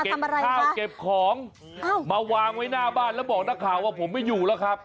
ข้าวเก็บของมาวางไว้หน้าบ้านแล้วบอกนักข่าวว่าผมไม่อยู่แล้วครับ